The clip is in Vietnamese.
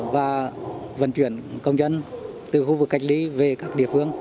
và vận chuyển công dân từ khu vực cách ly về các địa phương